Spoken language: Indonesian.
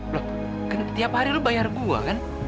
loh kan tiap hari lo bayar gue kan